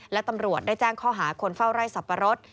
และตำรวจได้แจ้งข้อหาคนเฝ้าไร่สับปะรด